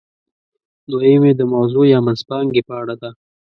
دویم یې د موضوع یا منځپانګې په اړه ده.